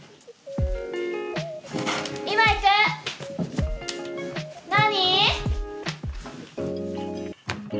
今行く！何？